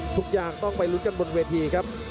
ทุกอย่างต้องไปลุ้นกันบนเวทีครับ